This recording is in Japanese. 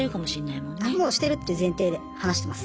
もうしてるっていう前提で話してます。